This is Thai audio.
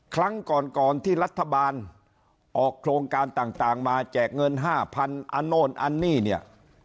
ครั้งก่อนก่อนที่รัฐบาลออกโครงการต่างมาแจกเงิน๕๐๐๐อันโน่นอันนี้เนี่ย